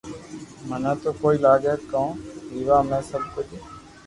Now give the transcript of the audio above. مني تو ڪوئي لاگي ڪو ويووا ۾ سب ڪجھ